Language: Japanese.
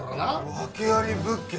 訳あり物件？